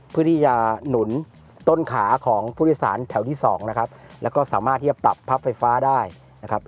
เพื่อที่จะหนุนต้นขาของผู้โดยสารแถวที่สองนะครับแล้วก็สามารถที่จะปรับพับไฟฟ้าได้นะครับ